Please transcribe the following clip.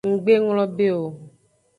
Nggbe nglongbe o.